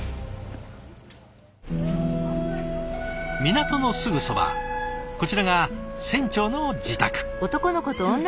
港のすぐそばこちらが船長の自宅。